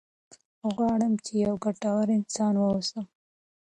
غواړم چې یو ګټور انسان واوسم.